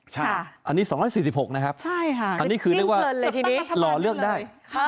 ใช่อันนี้สองร้อยสี่สิบหกนะครับใช่ค่ะอันนี้คือเรียกว่าตั้งรัฐบาลได้